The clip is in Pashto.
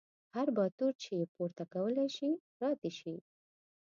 هر باتور یې چې پورته کولی شي را دې شي.